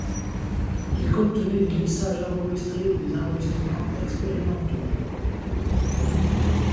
Ils contenaient des messages enregistrés ou des enregistrements expérimentaux.